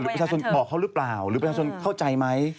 ประชาชนบอกเขาหรือเปล่าหรือประชาชนเข้าใจไหม